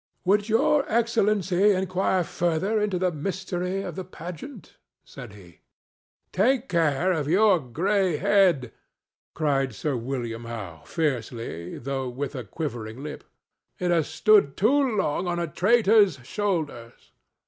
"Would Your Excellency inquire further into the mystery of the pageant?" said he. "Take care of your gray head!" cried Sir William Howe, fiercely, though with a quivering lip. "It has stood too long on a traitor's shoulders."